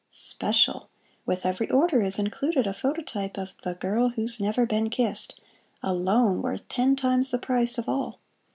=SPECIAL.= With every order is included a phototype of THE GIRL WHO'S NEVER BEEN KISSED—alone worth ten times the price of all.